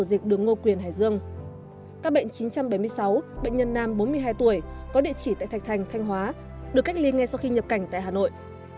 các bệnh chín trăm bảy mươi sáu bệnh nhân nam bốn mươi hai tuổi có địa chỉ tại thạch thành thanh hóa được cách ly ngay sau khi nhập cảnh tại hà nội